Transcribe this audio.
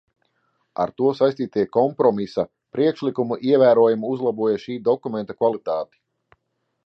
Ar to saistītie kompromisa priekšlikumi ievērojami uzlaboja šī dokumenta kvalitāti.